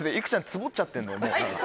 ツボっちゃってんだよ。